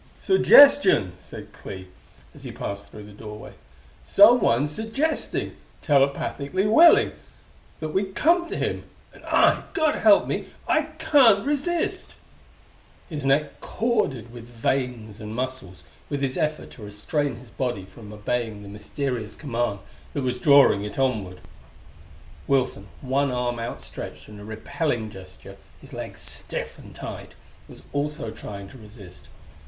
"Suggestion!" said Clee, as he passed through the doorway. "Someone's suggesting telepathically willing that we come to him! And I God help me I can't resist!" His neck corded with veins and muscles with his effort to restrain his body from obeying the mysterious command that was drawing it onward. Wilson, one arm outstretched in a repelling gesture, his legs stiff and tight, was also trying to resist.